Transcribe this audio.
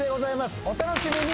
お楽しみに！